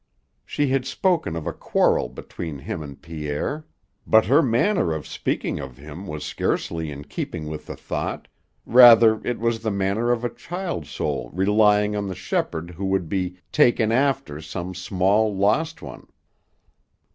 She had spoken of a quarrel between him and Pierre? But her manner of speaking of him was scarcely in keeping with the thought, rather it was the manner of a child soul relying on the Shepherd who would be "takin' after" some small, lost one.